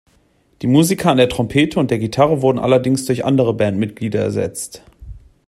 Die Musiker an der Trompete und der Gitarre wurden allerdings durch andere Bandmitglieder ersetzt.